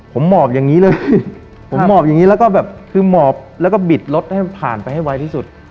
ผมหมอบอย่างนี้เลยผมหมอบอย่างนี้แล้วก็บิดรถผ่านไปให้ไวที่สุด